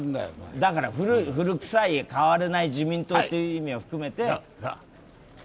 だから古くさい変われない自民党という意味を含めて。